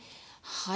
はい。